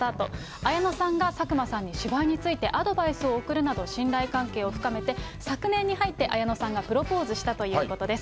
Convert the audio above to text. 綾野さんが佐久間さんに芝居についてアドバイスを送るなど信頼関係を深めて、昨年に入って綾野さんがプロポーズしたということです。